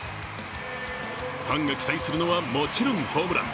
ファンが期待するのはもちろんホームラン。